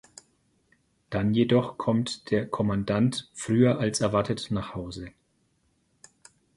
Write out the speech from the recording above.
Dann jedoch kommt der Kommandant früher als erwartet nach Hause.